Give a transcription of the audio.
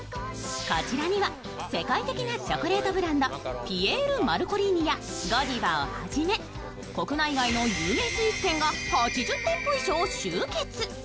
こちらには世界的なチョコレートブランド、ピエール・マルコリーニやゴディバをはじめ国内外の有名スイーツ店が８０店舗以上集結。